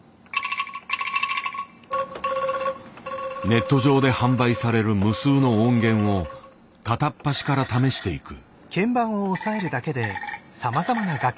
ネット上で販売される無数の音源を片っ端から試していく。